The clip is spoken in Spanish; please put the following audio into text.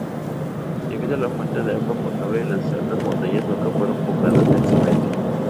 Debido a la falta de agua potable las altas montañas nunca fueron pobladas densamente.